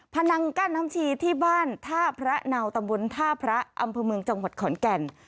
นังกั้นน้ำชีที่บ้านท่าพระเนาตำบลท่าพระอำเภอเมืองจังหวัดขอนแก่น